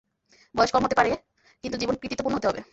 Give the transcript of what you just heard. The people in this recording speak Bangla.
বয়স কম হতে পারে, কিন্তু জীবন কৃতিত্বপূর্ণ হতে হবে।